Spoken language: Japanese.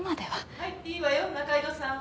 入っていいわよ仲井戸さん。